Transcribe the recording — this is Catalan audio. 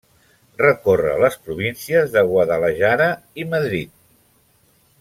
Recorre les províncies de Guadalajara i Madrid.